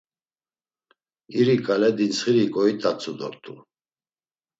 İri ǩale dintsxiri goit̆atzu dort̆u.